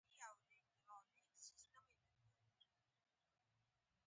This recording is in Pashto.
د جام منار د نړۍ تر ټولو لوړ خټین منار دی